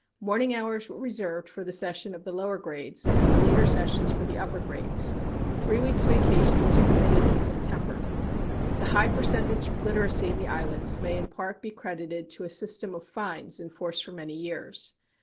Morning hours were reserved for the session of the lower grades and the later sessions for the upper grades. Three weeks' vacation was permitted in September. The high percentage of literacy in the islands may in part be credited to a system of fines in force for many years.